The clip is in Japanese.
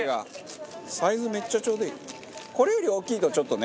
これより大きいとちょっとね。